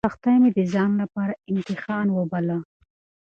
سختۍ مې د ځان لپاره امتحان وباله.